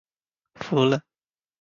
服了